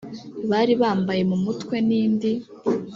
bari bambaye mu mutwe n indi